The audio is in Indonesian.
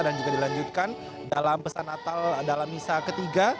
dan juga dilanjutkan dalam pesan natal dalam misa ketiga